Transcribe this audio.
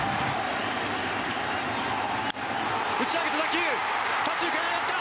打ち上げた打球左中間に上がった！